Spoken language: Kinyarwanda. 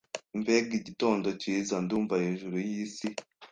Mbega igitondo cyiza! Ndumva hejuru yisi.